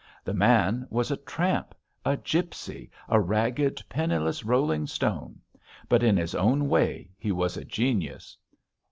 The man was a tramp, a gipsy, a ragged, penniless rolling stone; but in his own way he was a genius.